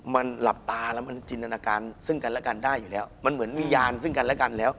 มันหลับตาแล้วมันจินตนาการซึ่งกันและกันได้อยู่แล้วมันเหมือนวิญญาณซึ่งกันและกันแล้ว